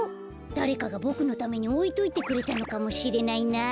だれかがボクのためにおいといてくれたのかもしれないな。